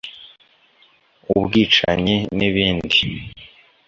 ubwicanyi n’ibindi